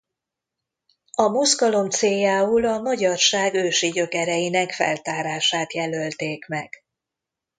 A mozgalom céljául a magyarság ősi gyökereinek feltárását jelölték meg.